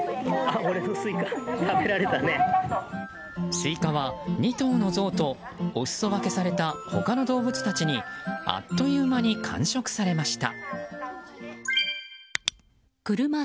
スイカは、２頭のゾウとおすそ分けされた他の動物たちにあっという間に完食されました。